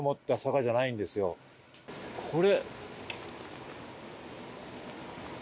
これ。